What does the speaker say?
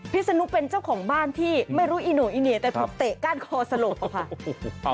ศนุเป็นเจ้าของบ้านที่ไม่รู้อีโน่อีเนียแต่ถูกเตะก้านคอสลบอะค่ะ